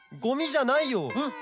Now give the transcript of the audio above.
ゴミじゃないよ！